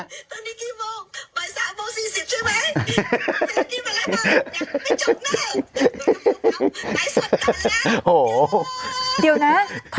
ตอนนี้กี่โมงมันสามโมคสี่สิบใช่ไหม